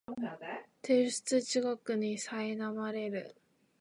提出地獄にさいなまれる